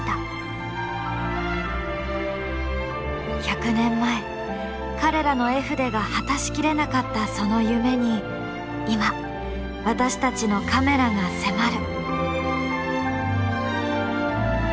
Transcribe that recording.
１００年前彼らの絵筆が果たし切れなかったその夢に今私たちのカメラが迫る。